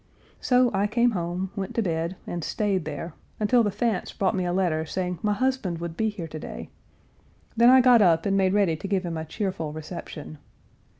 So I came home; went to bed and stayed there until the Fants brought me a letter saying my husband would be here today. Then I got up and made ready to give him a cheerful reception.